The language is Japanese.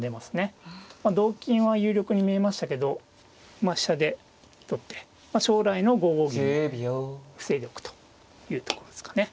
同金は有力に見えましたけどまあ飛車で取って将来の５五銀を防いでおくというところですかね。